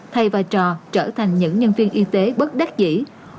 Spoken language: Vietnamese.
thầy và trò trở thành những nhân viên y tế bất đắc dĩ